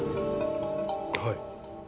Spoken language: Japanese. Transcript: はい。